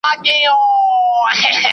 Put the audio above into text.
کله سرحدي نښتې رامنځته کیږي؟